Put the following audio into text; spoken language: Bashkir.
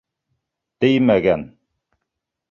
Теймәгән!